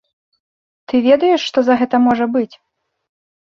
Ты ведаеш, што за гэта можа быць?